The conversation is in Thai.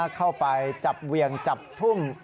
เข้าไปจับเวียงจับทุ่ง